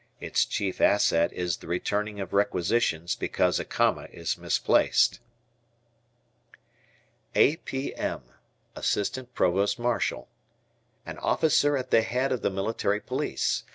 Its chief asset is the returning of requisitions because a comma is misplaced. A.P.M. Assistant Provost Marshal. An officer at the head of the Military Police.